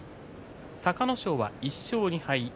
隆の勝は１勝２敗。